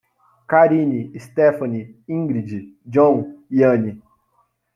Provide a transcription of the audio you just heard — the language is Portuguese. Karine, Estefani, Ingridi, Jhon e Any